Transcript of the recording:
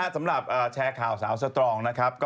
สำหรับแชร์ข่าวสาวสตรองนะครับ